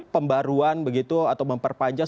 pembaruan begitu atau memperpanjang